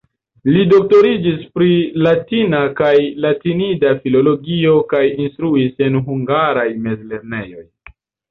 Li doktoriĝis pri latina kaj latinida filologio kaj instruis en hungaraj mezlernejoj.